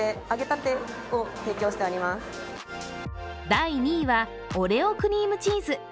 第２位はオレオクリームチーズ。